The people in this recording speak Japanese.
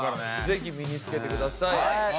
ぜひ身につけてください。